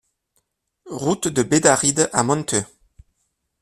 Route de Bédarrides à Monteux